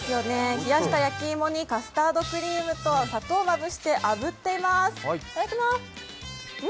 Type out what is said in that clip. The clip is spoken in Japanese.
冷やした焼き芋にカスタードクリームと砂糖をまぶしてあぶっています。